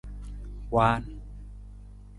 Waan.